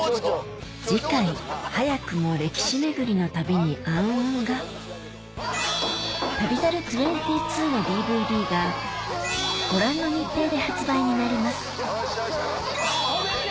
次回早くも歴史巡りの旅に暗雲が『旅猿２２』のＤＶＤがご覧の日程で発売になります止めて！